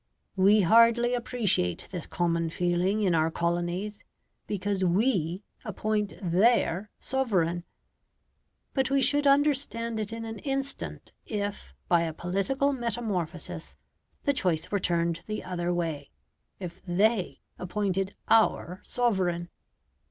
We hardly appreciate this common feeling in our colonies, because WE appoint THEIR sovereign; but we should understand it in an instant if, by a political metamorphosis, the choice were turned the other way if THEY appointed OUR sovereign.